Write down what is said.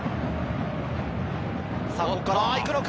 ここから行くのか？